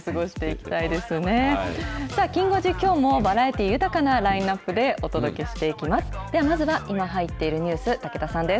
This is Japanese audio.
きん５時、きょうもバラエティー豊かなラインナップでお届けしていきます。